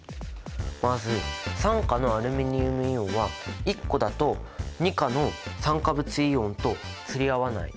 まず３価のアルミニウムイオンは１個だと２価の酸化物イオンと釣り合わない。